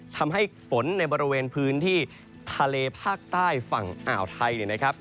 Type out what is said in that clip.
ทำให้ฝนในบริเวณพื้นที่ทะเลภาคใต้ฝั่งอ่าวไทยเนี่ยนะครับ